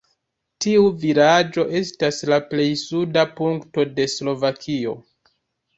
Tiu vilaĝo estas la plej suda punkto de Slovakio.